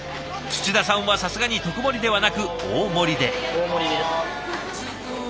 田さんはさすがに特盛りではなく大盛りで。